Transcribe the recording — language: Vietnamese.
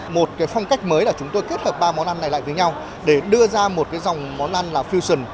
một phong cách mới là chúng tôi kết hợp ba món ăn này lại với nhau để đưa ra một cái dòng món ăn là fusion